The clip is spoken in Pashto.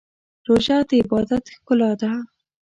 روژه د عبادت ښکلا ده.